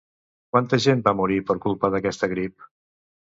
Quanta gent va morir per culpa d'aquesta grip?